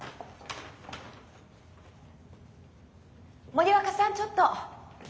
森若さんちょっと。